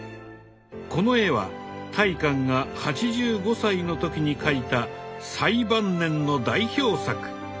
この絵は大観が８５歳の時に描いた最晩年の代表作。